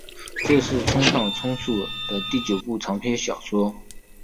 这是村上春树的第九部长篇小说。